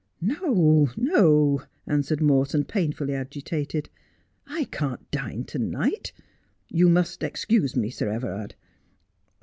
' No, no,' answered Morton, painfully agitated. ' I can't dine to night. You must excuse me, Sir Everard.